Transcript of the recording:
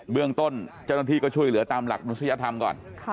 เรื่องต้นเจ้าหน้าที่ก็ช่วยเหลือตามหลักมนุษยธรรมก่อน